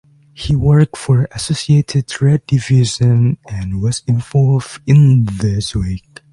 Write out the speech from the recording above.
He worked for Associated-Rediffusion and was involved in "This Week".